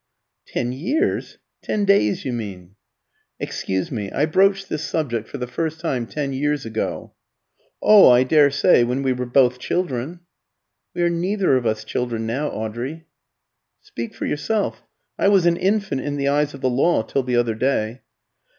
"Ten years? ten days, you mean." "Excuse me, I broached this subject for the first time ten years ago." "Oh, I daresay, when we were both children." "We are neither of us children now, Audrey." "Speak for yourself. I was an infant in the eyes of the law till the other day."